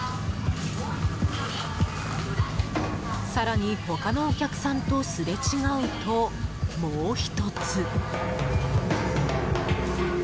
更に他のお客さんとすれ違うともう１つ。